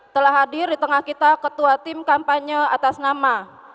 telah hadir di tengah kita ketua tim kampanye atas nama